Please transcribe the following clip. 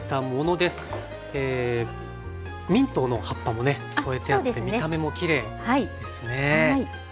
ミントの葉っぱもね添えてあって見た目もきれいですね。